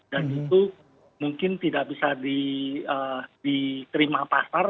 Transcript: dan itu mungkin tidak bisa diterima pasar